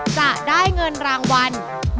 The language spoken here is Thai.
จะได้เงินรางวัล